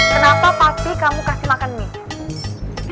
kenapa pasti kamu kasih makan mie